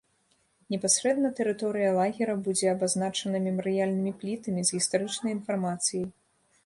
Непасрэдна тэрыторыя лагера будзе абазначана мемарыяльнымі плітамі з гістарычнай інфармацыяй.